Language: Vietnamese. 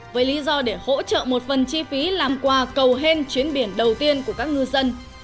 với lý do để hỗ trợ một phần chi phí làm quà cầu hen chuyến biển đầu tiên của các ngư dân